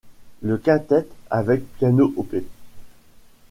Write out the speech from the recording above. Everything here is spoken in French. Le Quintette avec piano op.